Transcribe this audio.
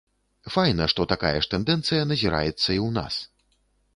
Файна, што такая ж тэндэнцыя назіраецца і ў нас.